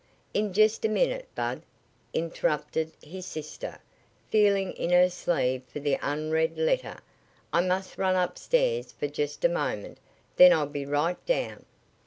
"In just a minute, Bud," interrupted his sister, feeling in her sleeve for the unread letter. "I must run upstairs for just a moment. Then I'll be right down."